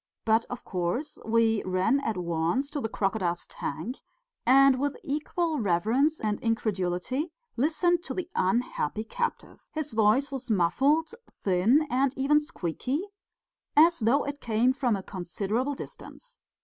But, of course, we ran at once to the crocodile's tank, and with equal reverence and incredulity listened to the unhappy captive. His voice was muffled, thin and even squeaky, as though it came from a considerable distance.